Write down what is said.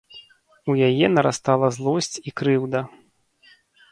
У яе нарастала злосць і крыўда.